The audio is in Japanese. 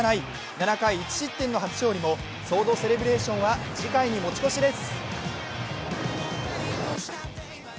７回１失点の初勝利もソードセレブレーションは次回に持ち越しです。